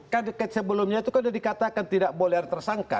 kan sebelumnya itu kan sudah dikatakan tidak boleh tersangka